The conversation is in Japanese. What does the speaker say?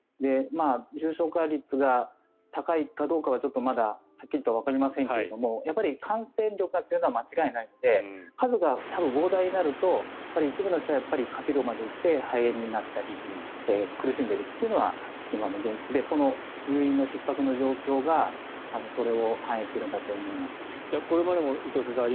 重症化率が高いかどうかはまだはっきりとはわかりませんが感染力が強いのは間違いないので数が多分、膨大になると一部の人は下気道まで行って肺炎になったり苦しんでるというのは今の現実でこの入院のひっ迫の状況がそれを反映しているんだと思います。